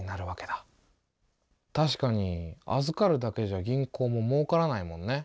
たしかに預かるだけじゃ銀行も儲からないもんね。